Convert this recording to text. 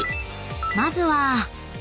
［まずは］